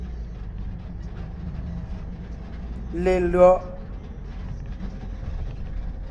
Lelÿɔ’.